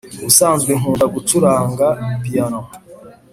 Ubusanzwe nkunda gucuranga piyano